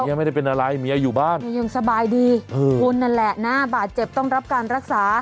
ไม่ได้เป็นอะไรเมียอยู่บ้านเมียยังสบายดีเออคุณนั่นแหละนะบาดเจ็บต้องรับการรักษา